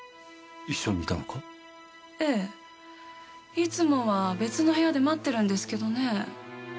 いつもは別の部屋で待ってるんですけどね。